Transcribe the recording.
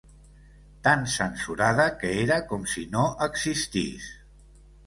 Tan censurada que era com si no existís